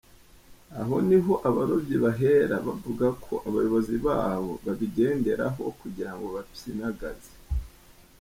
Aho ni ho abarobyi bahera babvuga ko abayobozi bawo babigenderaho kugira ngo babapfyinagaze.